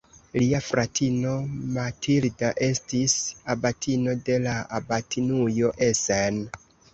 Lia fratino Matilda estis abatino de la abatinujo Essen.